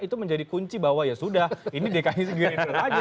itu menjadi kunci bahwa ya sudah ini dki segini aja